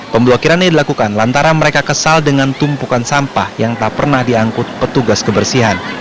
pemblokiran ini dilakukan lantaran mereka kesal dengan tumpukan sampah yang tak pernah diangkut petugas kebersihan